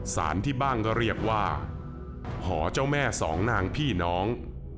สารที่บ้างก็เรียกว่าหอเจ้าแม่สองนางพี่น้อง